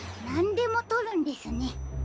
なんでもとるんですね。